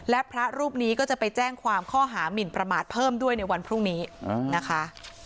และพระรูปนี้ก็จะไปแจ้งความข้อหามินประมาทเพิ่มด้วยในวันพรุ่งนี้นะคะ